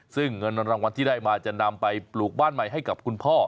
ซึ่งเงินรางวัลที่ได้มาจะนำไปปลูกบ้านใหม่ให้กับคุณพ่อ